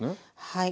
はい。